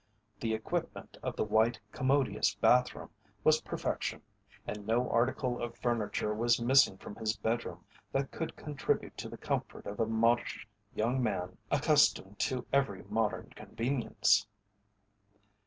The equipment of the white, commodious bathroom was perfection, and no article of furniture was missing from his bedroom that could contribute to the comfort of a modish young man accustomed to every modern convenience.